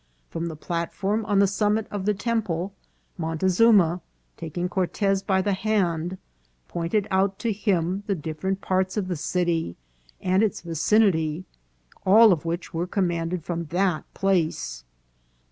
" From the platform on the summit of the temple, Montezuma, taking Cortez by the hand, pointed out to him the different parts of the city and its vicinity, all of which were commanded from that place."